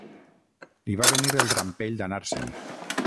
Li va venir el rampell d'anar-se'n.